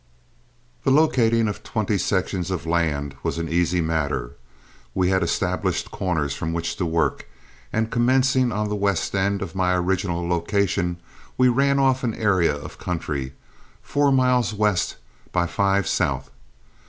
The locating of twenty sections of land was an easy matter. We had established corners from which to work, and commencing on the west end of my original location, we ran off an area of country, four miles west by five south.